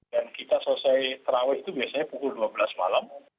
dan kita selesai terawih itu biasanya pukul dua belas malam